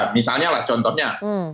misalnya lah contohnya